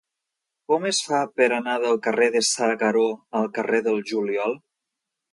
Com es fa per anar del carrer de S'Agaró al carrer del Juliol?